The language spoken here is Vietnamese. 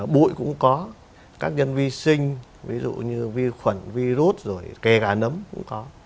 bụi cũng có các nhân vi sinh ví dụ như vi khuẩn vi rút rồi kề gà nấm cũng có